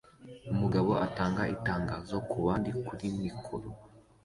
Umugabo atanga itangazo kubandi kuri mikoro